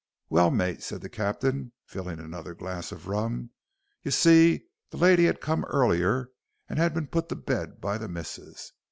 "Well, mate," said the captain, filling another glass of rum, "y'see the lady had come earlier and had been put to bed by the missus.